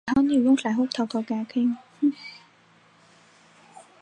天主教巴瑟斯特教区是澳大利亚一个罗马天主教教区。